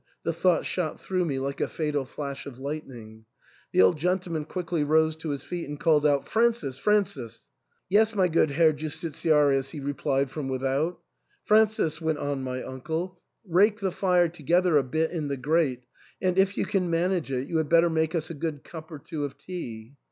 the thought shot through me like a fatal flash of lightning. The old gentleman quickly rose to his feet and called out, " Francis, Francis !"Yes, my good Herr Justitiarius," he replied from with out " Francis," went on my uncle, "rake the fire to gether a bit in the grate, and if you can manage it, you had better make us a good cup or two of tea."